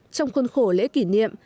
trong khuôn khổ lễ kỷ niệm